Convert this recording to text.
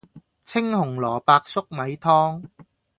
青紅蘿蔔粟米湯